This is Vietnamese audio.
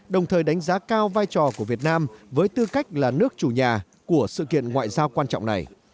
đồng thời đánh giá cao vai trò của việt nam với tư cách là nước chủ nhà của sự kiện ngoại giao quan trọng này